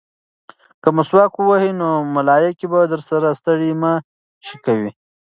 که مسواک ووهې نو ملایکې به درسره ستړې مه شي کوي.